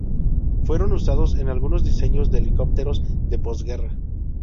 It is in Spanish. Fueron usados en algunos diseños de helicópteros de posguerra.